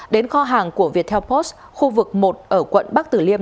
đến kho hàng của viettel post khu vực một ở quận bắc tử liêm